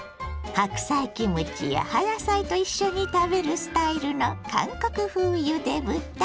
白菜キムチや葉野菜と一緒に食べるスタイルの韓国風ゆで豚。